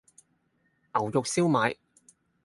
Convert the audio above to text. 牛肉燒賣